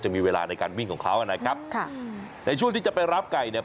มีเวลาในการวิ่งของเขานะครับค่ะในช่วงที่จะไปรับไก่เนี่ย